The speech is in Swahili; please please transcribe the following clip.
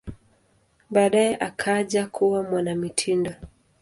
Baadaye akaja kuwa mwanamitindo.